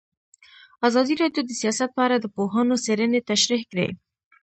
ازادي راډیو د سیاست په اړه د پوهانو څېړنې تشریح کړې.